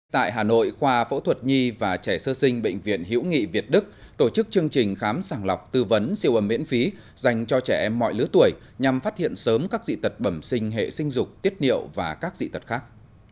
tại hà nội khoa phẫu thuật nhi và trẻ sơ sinh bệnh viện hiễu nghị việt đức tổ chức chương trình khám sàng lọc tư vấn siêu ẩm miễn phí dành cho trẻ em mọi lứa tuổi nhằm phát hiện sớm các dị tật bẩm sinh hệ sinh dục tiết niệu và các dị tật khác